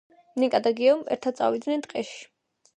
ნიკა და გიო ერთად წავიდნენ ტყეში